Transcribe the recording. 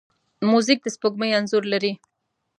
موزیک د سپوږمۍ انځور لري.